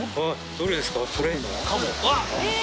どれですか？